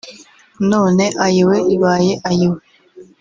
none ‘Ayiwe’ ibaye ‘Ayiwe’